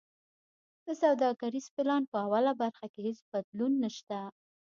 د سوداګریز پلان په اوله برخه کی هیڅ بدلون نشته.